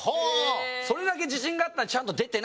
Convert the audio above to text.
それだけ自信があったのでちゃんと「出てない」って。